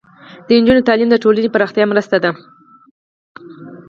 د نجونو تعلیم د ټولنې پراختیا مرسته ده.